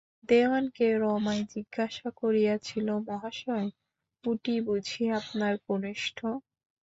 দেওয়ানকে রমাই জিজ্ঞাসা করিয়াছিল, মহাশয়, উটি বুঝি আপনার কনিষ্ঠ?